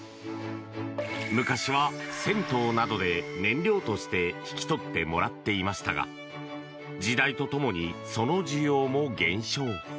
昔は銭湯などで燃料として引き取ってもらっていましたが時代とともにその需要も減少。